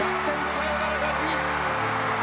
サヨナラ勝ち！